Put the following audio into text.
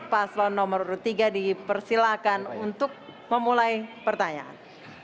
paslon nomor tiga dipersilakan untuk memulai pertanyaan